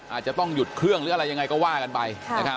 อาจจะต้องหยุดเครื่องหรืออะไรยังไงก็ว่ากันไป